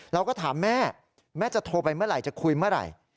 เราก็ถามแม่แม่จะโทรไปเมื่อไหร่จะคุยเมื่อไหร่